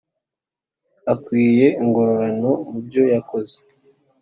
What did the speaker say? akwiye ingororano mubyo yakoze